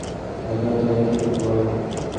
এখন তোমরা কি করতে বল?